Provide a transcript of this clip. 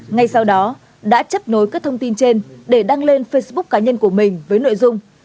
ngay sau đó đã chấp nối các thông tin trên để đăng lên facebook cá nhân của mình với nội dung